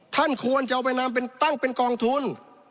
ท่านควรจะเอาไปนำตั้งเป็นกองทุน